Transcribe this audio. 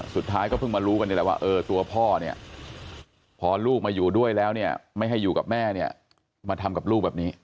สุดท้ายก็เพิ่งมารู้กันนี่แหละว่าตัวพ่อเนี่ยพอลูกมาอยู่ด้วยแล้วเนี่ยไม่ให้อยู่กับแม่เนี่ยมาทำกับลูกแบบนี้